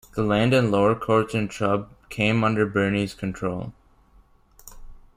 The land and lower courts in Trub came under Bernese control.